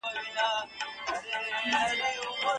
خو له وچه مجبوریته